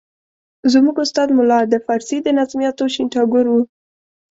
زموږ استاد ملا د فارسي د نظمیاتو شین ټاګور وو.